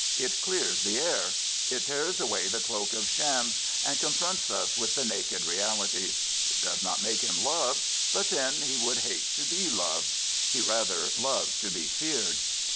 It clears the air. It tears away the cloak of shams, and con fronts us with the naked realities. It does not make him loved; but, then, he would hate to be loved. He rather loves to be feared.